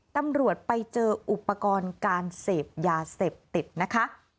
ตำรวจไปเจออุปกรณ์การเสพยาเสพติดนะคะ